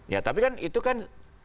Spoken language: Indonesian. ya tapi kan itu kan